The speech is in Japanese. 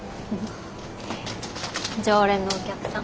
常連のお客さん。